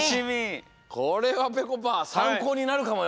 これはぺこぱさんこうになるかもよ？